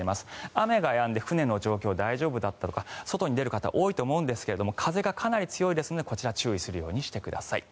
雨がやんで船の状況、大丈夫かとか外に出る方、多いと思うんですが風がかなり強いですのでこちら注意するようにしてください。